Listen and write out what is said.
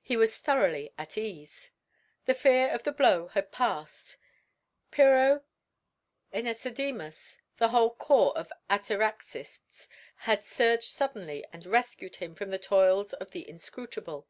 He was thoroughly at ease. The fear of the blow had passed. Pyrrho, Ænesidemus, the whole corps of ataraxists had surged suddenly and rescued him from the toils of the inscrutable.